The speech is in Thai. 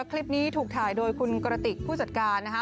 คลิปนี้ถูกถ่ายโดยคุณกระติกผู้จัดการนะคะ